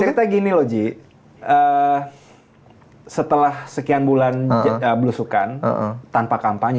cerita gini loh ji setelah sekian bulan belusukan tanpa kampanye